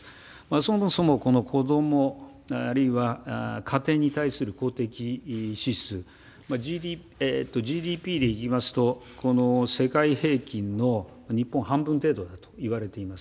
そもそもこの子ども、あるいは家庭に対する公的支出、ＧＤＰでいきますと、世界平均の日本、半分程度といわれています。